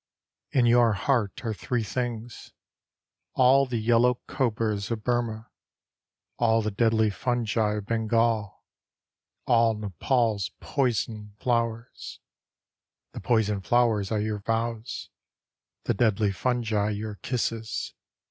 In your heart are three things» All the yellow cobras of Burma^ All the deadly fungi of Bengal, All Nepal's poison flowers ; The poison flowers are your vows, The deadly fungi your kisses.